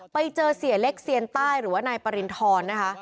ไปเจอเสียเล็กเซียนใต้หรือว่านายปริณฑรนะคะ